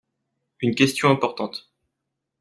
Une question importante.